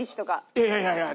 いやいやいや。